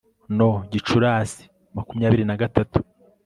no gicurasi makumyabiri na gatatu